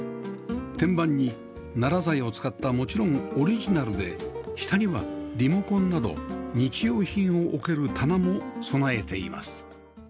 天板にナラ材を使ったもちろんオリジナルで下にはリモコンなど日用品を置ける棚も備えています